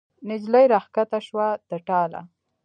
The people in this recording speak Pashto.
نجلۍ را کښته شوه د ټاله